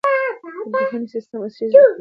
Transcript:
د پوهنې سیستم عصري کړئ.